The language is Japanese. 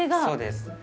そうです